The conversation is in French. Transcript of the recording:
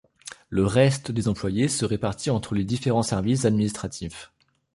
Le reste des employés se répartit entre les différents services administratifs.